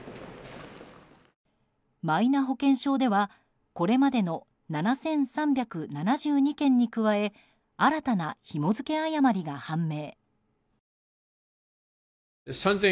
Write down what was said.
マイナ保険証ではこれまでの７３７２件に加え新たな、ひも付け誤りが判明。